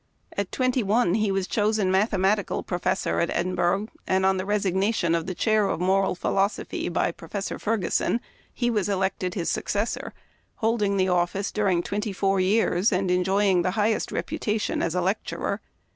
At twenty one he was chosen Mathematical Professor at Edinburgh, and on the resignation of the Chair of Moral Philosophy by Professor Ferguson he was elected his successor, holding the office during twenty four years, and enjoying the highest reputation as a lecturer.